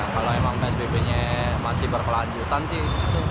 kalau emang psbb nya masih berkelanjutan sih